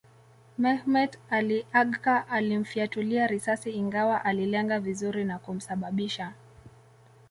Mehmet Ali Agca alimfyatulia risasi Ingawa alilenga vizuri na kumsababisha